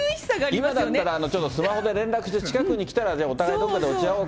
今だったらスマホで連絡して近くに来たらお互いどっかで落ち合おうか。